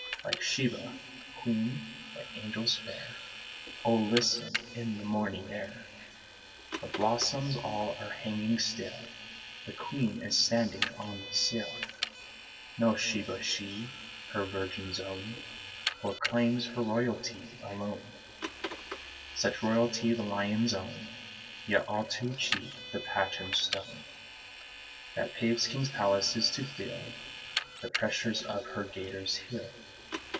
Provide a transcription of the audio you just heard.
Like Sheba, queen; like angels, fair? Oh listen! In the morning air The blossoms all are hanging still The queen is standing on the sill. No Sheba she; her virgin zone Proclaims her royalty alone: (Such royalty the lions own.) Yet all too cheap the patterned stone That paves kings' palaces, to feel The pressure of her gaiter's heel.